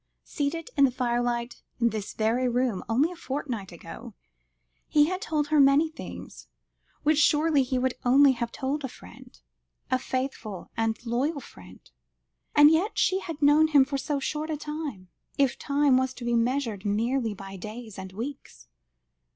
Seated in the firelight in this very room, only a fortnight ago, he had told her many things, which surely he would only have told to a friend a faithful and loyal friend? And yet she had known him for so short a time, if time was to be measured merely by days and weeks.